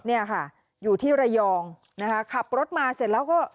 เนี่ยค่ะอยู่ที่ระยองนะคะขับรถมาเสร็จแล้วก็